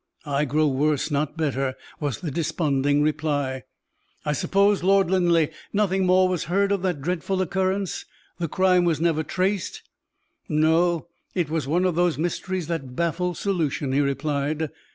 "I grow worse; not better," was the desponding reply. "I suppose, Lord Linleigh, nothing more was heard of that dreadful occurrence the crime was never traced?" "No; it was one of those mysteries that baffle solution," he replied.